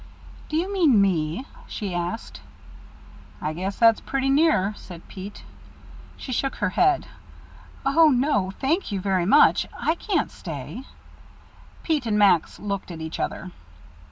"Do you mean me?" she asked "I guess that's pretty near," said Pete. She shook her head. "Oh, no thank you very much I can't stay." Pete and Max looked at each other.